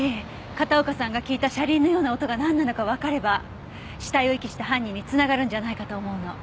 片岡さんが聞いた車輪のような音がなんなのかわかれば死体を遺棄した犯人に繋がるんじゃないかと思うの。